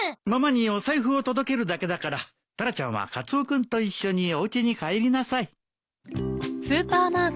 ママにお財布を届けるだけだからタラちゃんはカツオ君と一緒におうちに帰りなさい。